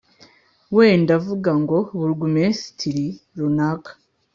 wenda vuga ngo Burugumesitiri runaka